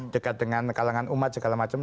dekat dengan kalangan umat segala macam